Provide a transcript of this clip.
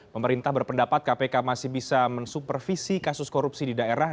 pemerintah berpendapat kpk masih bisa mensupervisi kasus korupsi di daerah